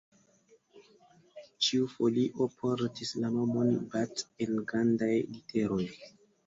Ĉiu folio portis la nomon Bath en grandaj literoj.